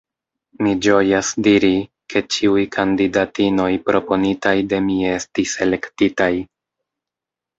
Mi ĝojas diri, ke ĉiuj kandidatinoj proponitaj de mi estis elektitaj.